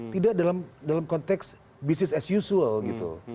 tidak dalam konteks business as usual gitu